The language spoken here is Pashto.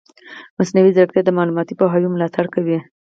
مصنوعي ځیرکتیا د معلوماتي پوهاوي ملاتړ کوي.